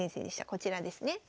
こちらですね。